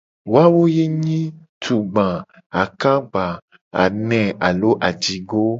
Woa wo ye nyi tugba, akagba, ane alo ajigo.